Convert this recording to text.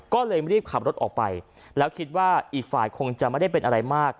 ก็เลยรีบขับรถออกไปแล้วคิดว่าอีกฝ่ายคงจะไม่ได้เป็นอะไรมาก